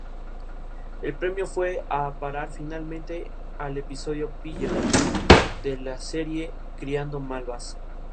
La mayoría de los productores de vino tinto siguen empleando cristales verdes.